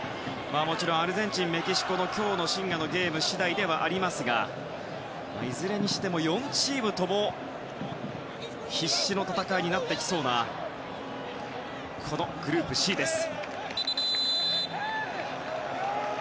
もちろんアルゼンチンとメキシコの今日の深夜のゲーム次第ですがいずれにしても４チームとも必死の戦いになってきそうなこのグループＣです。